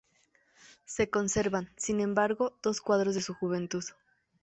Se conservan, sin embargo, dos cuadros de su juventud.